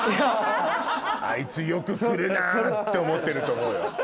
あいつよく来るなって思ってると思うよ。